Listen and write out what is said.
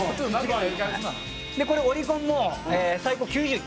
でこれオリコンも最高９０位。